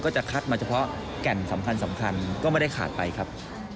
จะคัดมาเฉพาะแก่นสำคัญก็ไม่ได้ขาดไปครับ